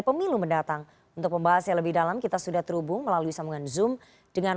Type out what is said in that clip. pemilu mendatang untuk pembahas yang lebih dalam kita sudah terhubung melalui sambungan zoom dengan